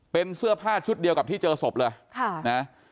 เป็นเสื้อผ้าชุดเดียวกับที่เจอศพเลยค่ะนะ